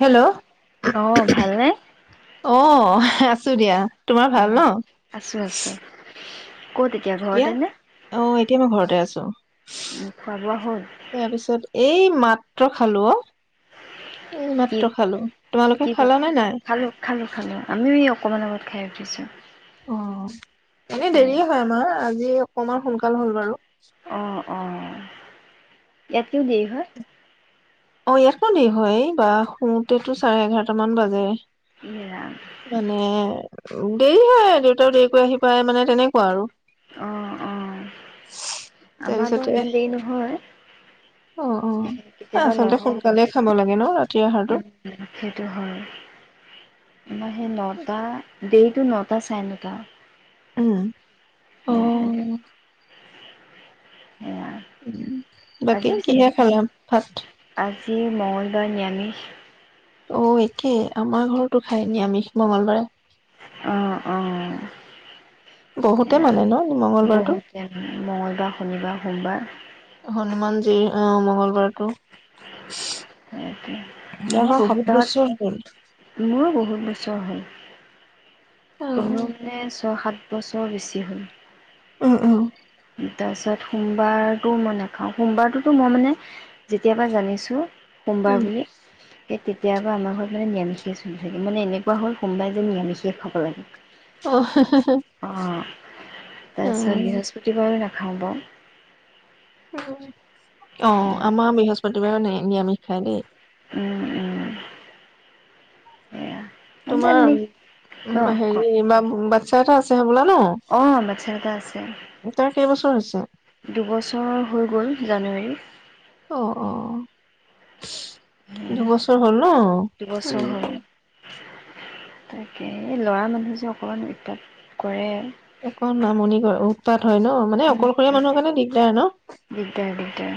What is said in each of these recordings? Hello. অ, ভালনে। অ আছো দিয়া। তোমাৰ ভাল ন অ, আছোঁ আছোঁ। ক'ত এতিয়া, ঘৰতে নে? অ, এতিয়া মই ঘৰতে আছো। উম, খোৱা বোৱা [unintelligible] হ'ল? তাৰপিছত এই মা [unintelligible] খালো অ। কি এইমাত্ৰ খালো, কি তোমালোকে বন খালা নে নাই। অকমান আগত খাই উঠিছোঁ। অ এনে দেৰিয়ে হয় আমাৰ আ আজি অকণমান সোনকাল হ'ল বাৰু অহ অহ ইয়াতকেও দেৰি হয় অ ইয়াতকেও দেৰি হয় বা শুওতেতো চাৰে এঘাৰটা মান বাজে ইয়ে ৰাম। মানে দেৰি হয় দেউতাও দেৰিকৈ আহি পায় মানে তেনেকুৱা আৰু অ অ আমাৰ টো তাৰপিছতে ইমান দেৰি নহয় অ অ এ কেতিয়াবা আচলতে লগাও। সোনকালে খাব লাগে ন ৰাতিৰ আহাৰটো উম, সেইটো হয়। আমাৰ সেই নটা দেৰিটো নটা চাৰে নটা উম অ উম উম উম আজি বাকী পিছে কিহেৰে খালে ভাত আজি মঙ্গলবাৰ নিৰামিষ অ একেই আমাৰ ঘৰতো খায় নিৰামিষ মঙলবাৰে অহ অহ বহুতে মানে ন মংগলবাৰটো মঙলবাৰ শনিবাৰ সোমবাৰ হনুমান জীৰ সেইটোৱে মই আমাৰ বাৰু বহুত বছৰ হ'ল সপ্তাহত, মোৰো বহুত বছৰ হ'ল অ তুমিও মানে ছয় সাত বছৰ বেছি হ'ল অহ অহ তাৰপিছত সোমবাৰটো মই নাখাওঁ, সোমবাৰটোতো মই মানে যেতিয়াৰ পৰা জানিছো সোমবাৰ উম বুলি সেই তেতিয়াৰ পৰা আমাৰ ঘৰত মানে নিৰামিষে চলি থাকে, মানে এনেকুৱা হ'ল সোমাবাৰ দিন নিৰামিষে খাব লাগে অ হে হে অঁ তাৰপিছত বৃহস্প- কৈ নাখাও বাৰু উম অ আমাৰ বৃহস্পতিবাৰো নে নিৰামিষ খায় দেই উম উম সেয়া মানে তোমাৰ হেৰি বা-বা, [unintelligible] অ বাচ্ছা এটা আছে, তাৰ কেইবছৰ হৈছে দুবছৰ হৈ গল। জানুৱাৰী। অ অ। দুবছৰ হ'ল ন? উম্ দুবছৰ হ'ল উম্। তাকে, ল'ৰা মানুহ যে অকণমান উতপাত কৰে। অকণ আমনি কৰে, উতপাত হয় ন, মানে অকলশৰীয়া উম, মানুহৰ কাৰণে দিগদাৰ ন। দিগদাৰ দিগদাৰ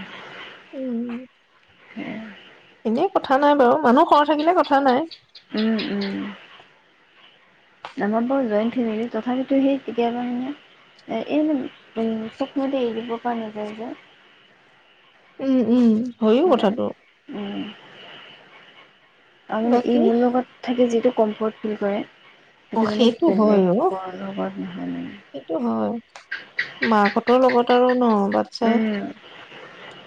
উম উম। এনে কথা নাই বাৰু। মানুহ সৰহ থাকিলে কথা নাই। উম, উম, আমাৰ বাৰু জইন ফেমিলি। তথাপিতো সেই কেতিয়াবা মানে, এই চব সময়তে এৰি দিব পৰা নাযায় যে। উম। উম হয়ও কথাটো। তাৰমানে এই বাকী মোৰ লগত থাকে যিটো কম্ফৰ্ট ফিল কৰে অ' মানে সেইটো বেলেগৰ হয় অ' লগত নহয় মানে সেইটো হয় মাহঁতৰ লগত কাৰণত উম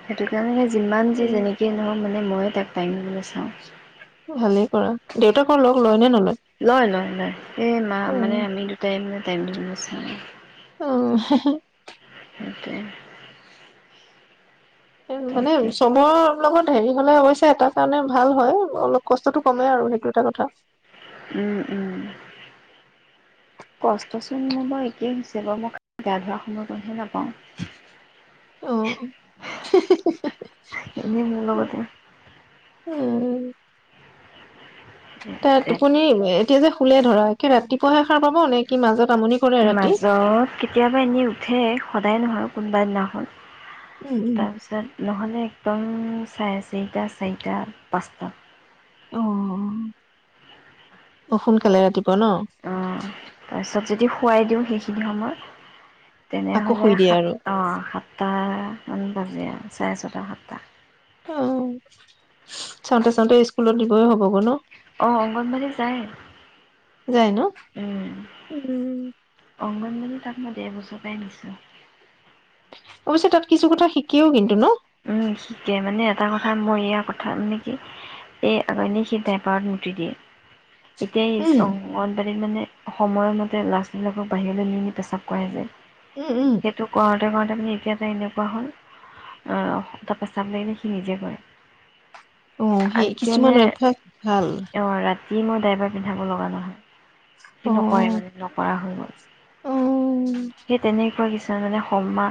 সেইটো কাৰণে যিমান যে উম যেনেকে নহও মানে ময়ে তাক টাইম [unintelligible] চা ভালেই কৰা দেউতাক লগ লয় নে নলয় লয় লয় লয় এই মা অ মানে আমি দুটাই মানে টেণ্ট হৈছে আৰু। অহ, '- হে - হে সেইটোৱে, এ, মানে তাকে চবৰ, লগত হেৰি হলে অৱশ্যে এটা কাৰণে ভাল হয় অলপ কষ্টতটো কমে আৰু সেইটো এটা কথা উম -উম কষ্টচোন মোৰ বাৰ একেই হৈছে বাৰু মই গা ধৰা সময় কণহে অ নাপাওঁ। এনেই মোৰ লগতে উম, ' তাৰ টোপনি এতিয়া যে, শুলে ধৰা একে ৰাতিপুৱাহে সাৰ পাব নে, কি মাজত, আমনি কৰে ৰাতি মাজত কেতিয়াবা এনেই উঠে, সদায় নহয়। কোনোবা এদিনা খন উম উম তাৰপিছত নহ'লে একদম। চাৰে চাৰিটা, চাৰিটা, পাঁচটা। অ', অ', সোনকালে ৰাতিপুৱা। ক, অঁ ন তাৰপিছত যদি খোৱাই দিওঁ, সেইখিনি সময় আকৌ তেনেহ'লে শুই দিয়ে সাত, আৰু অ' সাতটামান। বাজে চাৰে ছটা, সাতটা। অ, চাওঁতে চাওঁতে স্কুলত দিবই হ'ব, গৈ' ন। অঁ অংগনবাড়ী যায় যায় ন। অংগনবড়ী তাক মই দেৰ বজৰ পৰা নিছোঁ। অৱশ্য, তাত কিছু কথা শিকিও কিন্তু ন। উম, শিকে মানে এটা কথা মোৰ ইয়া কথা মানে কি এই আ সি ডাইপাৰত মুতি দিয়ে। এতিয় চ উম অংগনবাডী ব, মানে সময়ৰমতে ল'ৰা ছোৱালী বিলাকক বাহিৰলৈ নি নি পেচাৱ কৰায় যে উম উম সেইটো কৰ [unintelligible] একে এটা এনেকুৱা হ'ল তৰ, পেচাব লাগিলে সি নিজে কৰে অ, সেই আনকি কিছুমান অভ্যাস ভাল। যি মই ড্ৰাইপাৰ পিন্ধাব লগা নহয়। অ সি নকৰে, মানে নকৰা হৈ গ'ল। অ সেই তেনেকুৱা কিছ মানে সমা,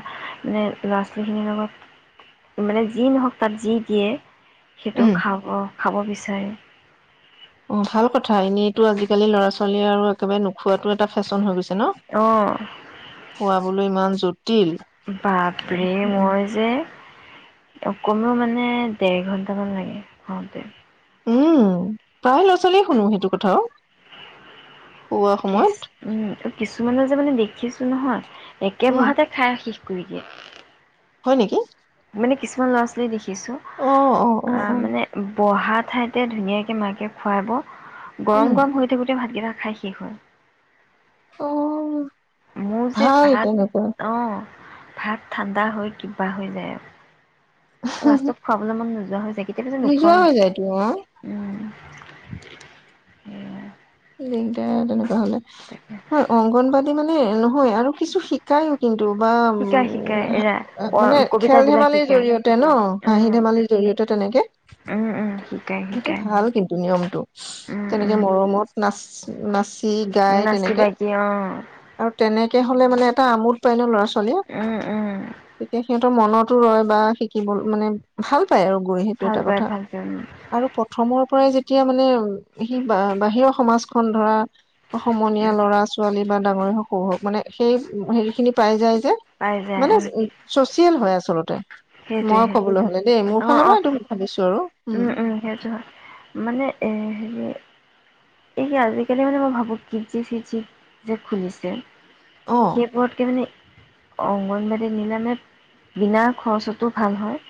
মানে ল'ৰা ছোৱালীখিনিৰ লগত মানে যি নহওক, তাত যি দিয়ে সেইটো উম খাব। খাব বিচাৰে অ, ভাল কথা এনেইটো আজিকালি ল'ৰা ছোৱালী আৰু একেবাৰে ন খোৱাতো এটা ফেশ্বন হৈ গৈছে ন, অঁ খোৱা বুলু, ইমান য'ত। বাপৰে, মই যে কমেও মানে দেৰ ঘন্টামান লাগে ঘতে। উম, প্ৰায় ল'ৰা ছোৱালীয়ে শুনো সেইটো কথাও খোৱা কিছ সময়ত উম কিছুমান যে মানে দেখিছো নহয়। একে উম বহাতে খাই সি গতিকে [unintelligible] হয় নেকি? মানে কিছুমান লৰা ছোৱালী কিছো অ অ অ অ মানে বহাত ঠাইতে ধুনীয়াকৈ মাকে খুৱাব গৰম উম গৰম হৈ থাকোতে ভাতকেইটা খাই শেষ হয় অ মোৰ যে ভাল তেনেকুৱা ভাত অ ভাত ঠাণ্ডা হৈ কিবা হৈ যায় লাষ্টত খুৱাবলৈ মন নোযোৱা হৈ যয় কেতিয়াবা যে নোযোৱা নোখুৱাই হৈ যায়তো অ উম উ কেই তেনেকুৱা লে ন অংগনবাদী মানে এ নহয় আৰু কিছু শিকাইও কিন্তু দুবাৰ শিকাই শিকাই এৰা মানে খেল কবিতাবিলাক ধেমালিৰ শিকায় জৰিয়তে ন হাঁহি উম ধেমালিৰ জৰিয়তে তেনেকে উম উম শিকাই সেইটো শিকাই ভাল কিন্তু নিয়মটো উম তেনেকে উম মৰমত মাছ গীত গাই নাচি তেনেকে বাগি অ আৰু তেনেকে হলে মানে এটা আমোদ পালে ল'ৰা ছোৱালীয়ে উম উম তেতিয়া সিহঁত মনতো ৰৈ বা শিকিব মানে ভাল পাই আৰু গৈ সেইটো ভাল এটা পায় কথা ভাল পায় উম আৰু প্ৰথমৰ পৰাই যেতিয়া মানে সি বা বাহিৰৰ সমাজখন ধৰা সমনীয়া উম ল'ৰা ছোৱালী বা ডাঙৰে হওক সৰু হওক মানে সেই হেৰি খিনি পাই যায় যে পাই যায় মানে উম উ চচিয়েল হৈ আছে আচলতে সেইটোৱে মই সেইটোৱে কবলৈ হলে দেই মোৰ অ ফালৰ অ পৰা এইটোো ভাবিছো আৰু উম মানে [unintelligible] এই আজিকালি মানে মই ভাবোক কি যে সি যে খুলিছে অ সেই পৰ্তকে মানে অংগনবাদী নিলামে বিনাৰ খৰচতো ভাল হয়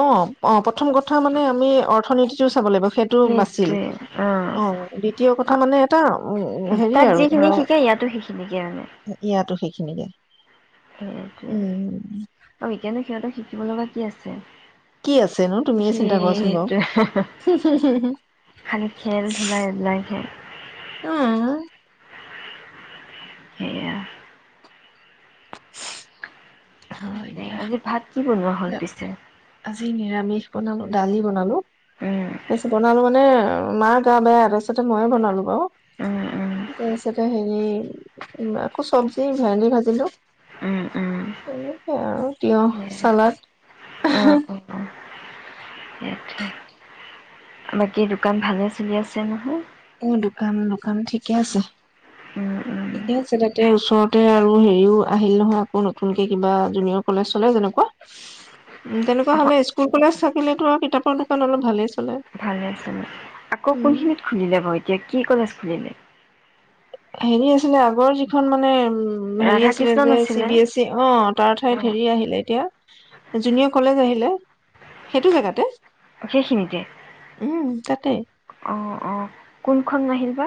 অ অ প প্ৰথম কথা মানে আমি অৰ্থনীতি চাব লাগিব সেইটো বাচিল অ দ্বিতীয় কথা মানে এটা উ হেৰি তাত আৰু যিখিনি ধৰা শিকে ইয়াতো সেইখিনিকে মানে ইয়াতো সেইখিনিকে সেইটোৱে উম ত সকাৰো সিহঁতে থাকিব লগা কি আছে কি আছেনো তুমিয়ে চিন্তা কৰাচোন বাৰু সেইটোয়ে খালি খেল খেলা এইবিলাক খেল উম সেয়া হয় তাকে দিয়া আজি ভাত কি বনোৱা উ হ'ল পিছে? আজি নিৰামিষ বনালো দালি বনালো। উম তাৰপাছত বনালো মানে মাৰ গা বেয়া, তাপাছতে ময়ে বনালোঁ বাৰু। উম উম তাৰপিছতে হেৰি আকৌ চব্জি ভেন্দি ভাজিলো। উম উম তেনেকে আৰু তিয়হ চালাদ উ উ বাকী দোকান ভালে চলি আছে নহয়? অ' দোকান, দোকান ঠিকে আছে উম উম ঠিকে আছে দে তেও ওচৰতে আৰু হেৰিও আহিল নহয় আকৌ নতুনকে কিবা জুনিয়ৰ কলেজ-চলেজ এনেকুৱা। উ অ তেনেকুৱা হ'লে স্কুল-কলেজ থাকিলেতো আৰু কিতাপৰ দোকান অলপ ভালেই চলে। ভালে আছে আকৌ উম কোনখিনিত খুলিলে বাও কি কৰি আছিলি এনে ই হেৰি আছিলে আগৰ যিখন মানে উ হেৰি ৰাধা আছিলে কৃষ্ণ যে চি নাছিলে বি এছ ই, অ' তাৰ অ ঠাইত হেৰি আহিলে এতিয়া জুনিয়ৰ কলেজ আহিলে সেইটো জেগাতে সেইখিনিতেই? উম তাতে অ' অ' কোনখন নাহিল বা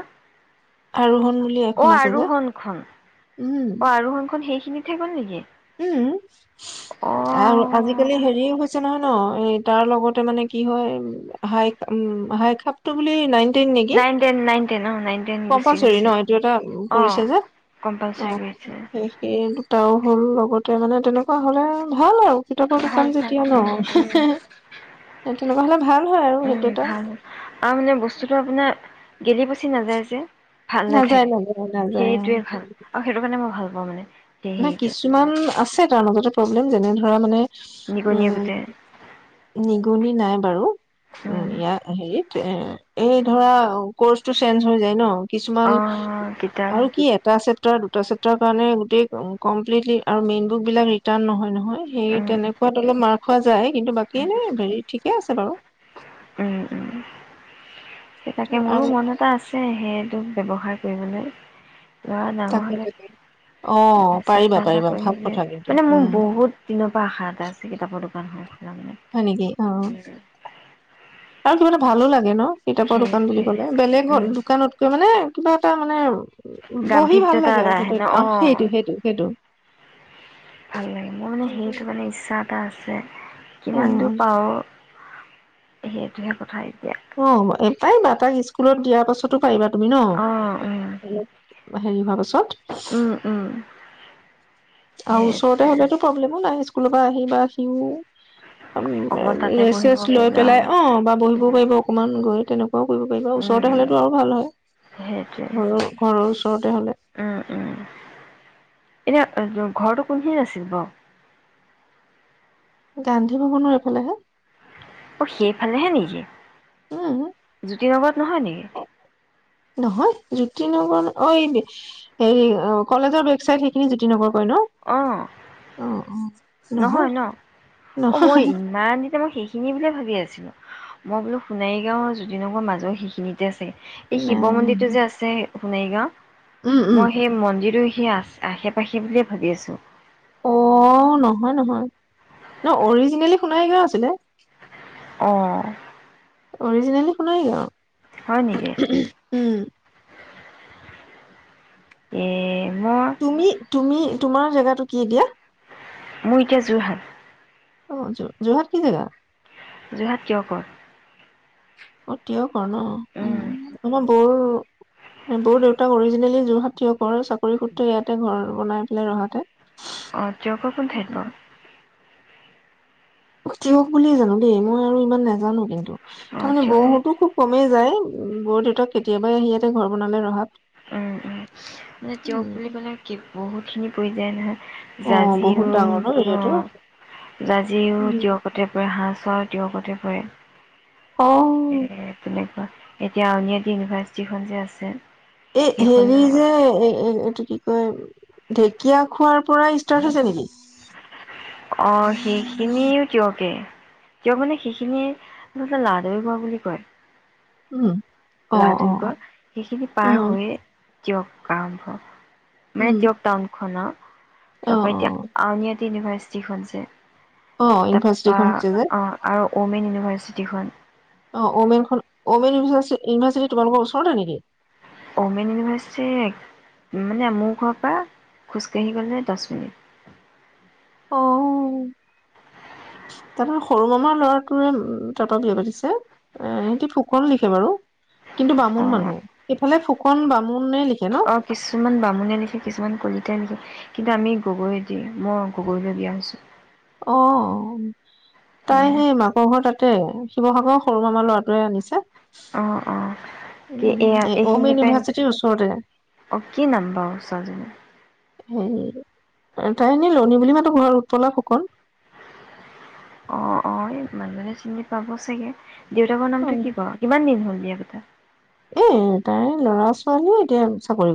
আৰোহন বুলি এখন অ' আছে যে আৰোহন খন। উম অ' আৰোহন খন সেইখিনি শেষ হ'ল নেকি উম অ আৰু আজিকালি হেৰিও হৈছে আছে নহয় ন এই তাৰ লগতে মানে কি হয় হাই উম হাই খাপটো বুলি নাই নেকি, নাইন টেন নাইন টেন অ নাইন টেন গুচি কম্পালচৰি ন গৈছে এইটো এটা অ কৰিছে যে? কম্পালচৰি অ' কৰিছে সেইটো ত হ'ল লগতে মানে তেনেকুৱা হ'লে ভাল আৰু কিতাপৰ ভাল দোকান ভাল যেতিয়া ন। উম উম তেনেকুৱা হলে ভাল হয় আৰু উম হেইটো এটা ভাল আৰু মানে বস্তুটো আপোনাৰ গেলি পচি নাযায় যে, ভালহৈ নাযায় থাকে নাযায় নাযায় অ সেইটোৱে ভাল আৰু সেইটো কাৰণে মই ভাল মই মানে সেই নাই হেৰিটো কিছুমান আছে তাৰ মাজতে প্ৰব্লেম যেনে ধৰা মানে নিগনীয়ে গোটেই উম নিগুনি নাই বাৰু উম এয়া অ হেৰি এ এই ধৰা কৰ্চটো চেঞ্জ হৈ যায় ন কিছুমান অঁ কিতাপ আৰু কি এটা চেপটাৰ ছাত্ৰ ছাত্ৰৰ কাৰণে গোটেই কমপ্লিটলি আৰু মেইন বুক বিলাক ৰিটাৰ্ণ নহয় নহয় সেই উম, তেনেকুৱাত অলপ মাৰ যে কিন্তু বাকী উম, নাই হেৰি ঠিকে আছে বাৰু সেই তাকে মোৰো আৰু মন এটা আছে যে সেইটো ব্যৱহাৰ কৰিবলৈ ল'ৰা ডাঙৰ তাকে হ'লে তাকে অ পাৰিবা চেষ্টা এটা পাৰিবা ভাল কৰিমগে কথা কিন্তু মানে মোৰ উম বহুত দিনৰ পৰা আশা এটা আছে কিতাপৰ দোকানখন খোলা হয় নেকি অ মানে আৰু কিবা এটা ভালো লাগে ন কিতাপৰ দোকান বুলি সেইটোৱে ক'লে বেলেগ হ'ল উম দোকানতকৈ মানে কিবা এটা মানে বহি ভাল গাম্ভীৰ্যতা লাগে এটা আৰু আহে ন সেইটো অ সেইটো সেইটো সেইটো ভাল লাগে মোৰ মানে সেইটো মানে ইচ্ছা এটা আছে কিমান অ দূৰ পাও সেইটোহে কথা এই অ তাই ম তাক স্কুলত দিয়াৰ পাছতো পাৰিবা তুমি ন অ উম হেৰি হোৱা পাছত উম উম আৰু ওচৰতে সেইটোৱে হলেতো প্ৰব্লেমো নাই স্কুলৰ পৰা আহি বা সিও অকমান তাতে ৰেচ বহিব চৰেচ লৈ পাৰিলে পেলাই আৰু অ বা বহিবও উম পাৰিব অকমান গৈ তেনেকুৱাও কৰিব পাৰিব ওচৰতে উম হলেতো আৰু ভাল সেইটোৱে হয় ঘৰৰ ঘৰৰ ওচৰতে হলে এনে ঘৰটো কোনখিনিত আছিল বাউ গান্ধী ভৱনৰ এইফালে হে অ সেইফালেহে নেকি উম জ্যোতি নগৰত নহয় নেকি নহয় জ্যোতি নগৰ অ হেৰি কলেজৰ বেক চাইড সেইখিনি জ্যোতি নগৰ হয় অ ন অ অ নহয় ন অ নহয় মই ইমান দিনে মই সেইখিনি বুলিয়ে ভাবি মই বোলো সোণাৰীগাঁৱ আৰু জ্যোতিনগৰ মাজৰ সেইখিনিতে আছে এই শিৱ নাই মন্দিৰটো যে আছে সোণাৰীগাঁও, নহয় উম উম মই সেই মন্দিৰটো সেইয়াত আশে পাশে বুলিয়ে ভাবি আছো অহ নহয় নহয়, ন অৰিজিনেলি সোণাৰীগাঁও আছিলে অহ অৰিজিনেলি সোণাৰীগাঁও হয় নেকি এ মই তুমি তুমি তোমাৰ জেগাটো কি এতিয়া মোৰ এতিয়া যোৰহাটত অ যোৰ যোৰহাট কি জেগা যোৱা কিয় কৰ অ তেওঁক কৰ ন, উম আমাৰ বৌৰ বৌৰ দেউতাক অৰিজিনেলি যোৰহাট টীয়কৰে চাকৰি সূত্ৰে ইয়াতে ঘৰ বনাই পেলাই ৰহাতে অ টীয়কৰ কোন ঠাইত বাৰু টীয়ক বুলিয়ে জানো দেই মই আৰু ইমান নাজানো কিন্তু বাৰু অ তাৰমানে কিয় বৌহঁতো খুব কমেই যায় উম বৌৰ দেউতাক কেতিয়াবাই আহি ইয়াতে ঘৰ বনালে ৰহাত উম উম মানে তেওঁয়ক বুলি কলে কি বহুত চুমি পৰি যায় নহয় অ বহুত জাঁজীও ডাঙৰ ন এৰিয়াটো অহ জাঁজীও টীয়কতে পৰে হাঁহত তেওঁৰ কতে পৰে ক এ এ এ এ তেনেকুৱা এতিয়া আউনীআটী ইউনিভাৰ্ছিটি খন যে আছে এ হেৰি সেইখনো যে এই এই এইটো কি কয় ঢেকীয়া খোৱাৰ পৰাই ষ্টাৰ্ট হৈছে নেকি অ সেইখিনিও তেওঁ কে তেওঁৰ মানে সেইখিনিৰ কথা লাডুৰিগৰ বুলি কয় উম অ অ লাডুৰিগৰ সেইখিনি পাৰ উম হৈয়ে টীয়ক আৰম্ভ উম মানে টীয়ক টাউনখন আৰু অ তাৰপৰা অ এতিয়া আউনীআটী ইউনিভাৰ্ছিটি টিখম যে অ তাৰপা ইউনিফাৰ্চিটখন হছে যে অ' আৰু ওমেন ইউনিভাৰ্চিটিখন অ ওমেনখন মেন ইউনিভাৰ্চিটি তোমালোকৰ ওচৰতে নেকি ওমেন ইউনিভাৰ্চিটি মানে মোৰ ঘৰৰ পৰা খোজকাাঢ়ি গ'লে দহ মিনিট অ তাৰপ সৰু মামাৰ ল'ৰাটোৱে তাৰপৰা বি পাতিছে এ সিহতি ফুকন লিখে বাৰু কিন্তু বামুণ অ' মানুহ সফালে ফুকন বামুণে লিখ অ কিছুমান বামুণে লিখে কিছুমান কলিতাই লিখে কিন্তু আমি গগৈদি মই গগৈলৈ বিয়া হৈছোঁ অ তাই সেয়া সেই মাকৰ ঘৰ তাত ত শিৱসাগৰৰ সৰু মামাৰ ল'ৰাটোৱে আনিছে অ অ কি উম এয়া এইখিনি অমেন প ইউনিভাৰ্চিটিৰ ওচৰতে অ কি নাম বাৰ ছজনী হ তাই এনে লনী বুলি মাতো ঘৰত উৎপলা ফুকন অ অ মানুহে চিনি পাব চাগে দেউতাকৰ অ নামটো কি ক কিমান দিন হ'ল দিয় কথা এ তাই ল'ৰা ছোৱালীও এতিয়া চাকৰি কৰে